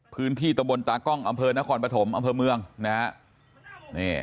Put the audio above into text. พื้นที่ตะบนตากล้องอำเภอนครปฐมอำเภอเมืองนะฮะ